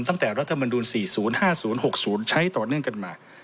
ตั้งแต่รัฐธรรมนุน๔๐๕๐๖๐ใช้ต่อเนื่องกันมา